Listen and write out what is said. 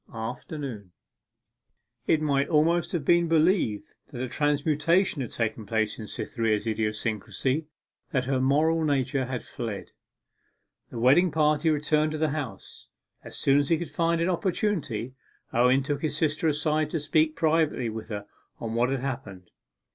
AFTERNOON It might almost have been believed that a transmutation had taken place in Cytherea's idiosyncrasy, that her moral nature had fled. The wedding party returned to the house. As soon as he could find an opportunity, Owen took his sister aside to speak privately with her on what had happened.